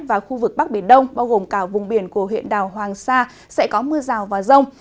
và khu vực bắc biển đông bao gồm cả vùng biển của huyện đảo hoàng sa sẽ có mưa rào và rông